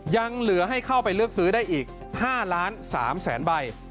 ยังเหลือให้เข้าไปเลือกซื้อได้อีก๕ล้าน๓แสนใบ